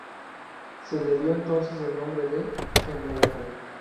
Se le dio entonces el nombre de "Mr.